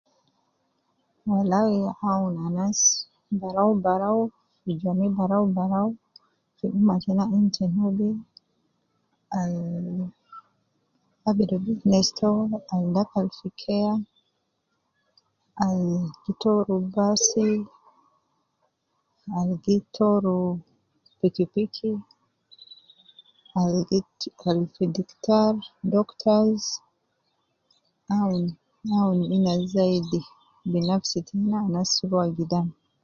Alau awun anas barau barau ,min barau barau fi umma tena in te nubi al abidu business to, al dakal fi keya ,albgi toru basi, al gi toru piki piki, al gi toru, al fi diktar doctors awun awun ina zaidi binafsi tena anas rua gidam